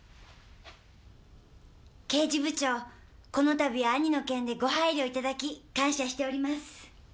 刑事部長この度は兄の件でご配慮いただき感謝しております。